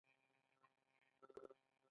زموږ معلم مهربان دی.